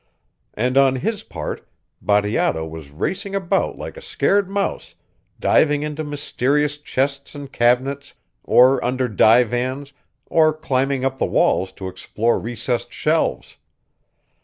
And on his part, Bateato was racing about like a scared mouse, diving into mysterious chests and cabinets or under divans or climbing up the walls to explore recessed shelves.